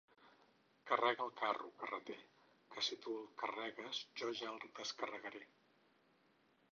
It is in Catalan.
Carrega el carro, carreter, que si tu el carregues, jo ja el descarregaré.